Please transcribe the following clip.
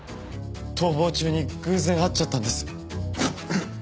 逃亡中に偶然会っちゃったんです。